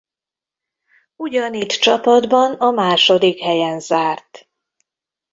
Ugyanitt csapatban a második helyen zárt.